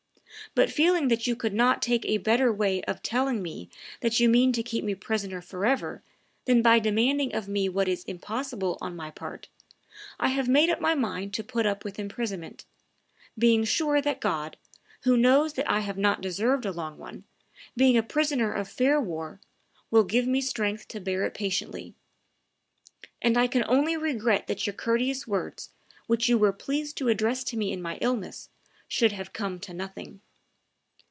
But feeling that you could not take a better way of telling me that you mean to keep me prisoner forever than by demanding of me what is impossible on my part, I have made up my mind to put up with imprisonment, being sure that God, who knows that I have not deserved a long one, being a prisoner of fair war, will give me strength to bear it patiently. And I can only regret that your courteous words, which you were pleased to address to me in my illness, should have come to nothing."